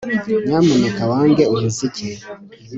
Nyamuneka wange umuziki